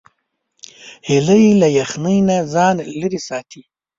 هیلۍ له یخنۍ نه ځان لیرې ساتي